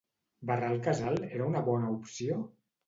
Barrar el casal era una bona opció?